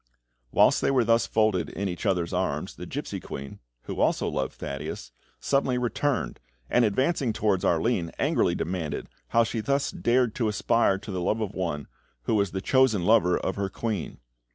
Whilst they were thus folded in each other's arms, the gipsy queen who also loved Thaddeus suddenly returned, and, advancing towards Arline, angrily demanded how she thus dared to aspire to the love of one who was the chosen lover of her queen.